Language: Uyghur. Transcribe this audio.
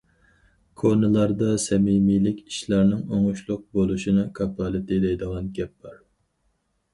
كونىلاردا‹‹ سەمىمىيلىك ئىشلارنىڭ ئوڭۇشلۇق بولۇشىنىڭ كاپالىتى›› دەيدىغان گەپ بار.